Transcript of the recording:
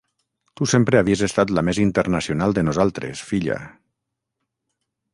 Tu sempre havies estat la més internacional de nosaltres, filla...